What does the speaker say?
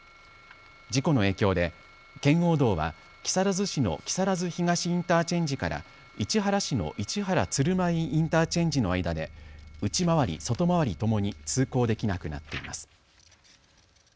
事故の影響で圏央道は木更津市の木更津東インターチェンジから市原市の市原鶴舞インターチェンジの間で内回り、外回りともに通行できなくなっています。